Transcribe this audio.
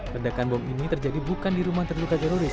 ledakan bom ini terjadi bukan di rumah terduga teroris